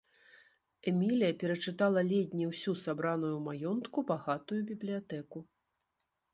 Эмілія перачытала ледзь не ўсю сабраную ў маёнтку багатую бібліятэку.